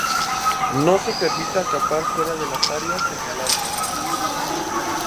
No se permite acampar fuera de las áreas señaladas.